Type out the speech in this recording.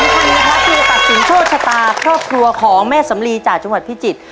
สวัสดีคุณผู้ช่วยวินาทีที่สำคัญนะคะที่จะตัดสินโทษชะตาครอบครัวของแม่สำลีจากจังหวัดพิจิตร